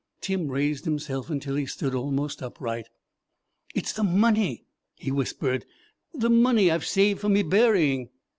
Tim raised himself until he stood almost upright. "It's the money," he whispered, "the money I've saved for me burying."